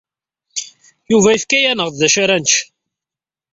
Yuba yefka-aneɣ-d d acu ara nečč.